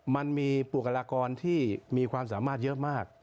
มันมีบุคลากรที่มีความสามารถเยอะมาก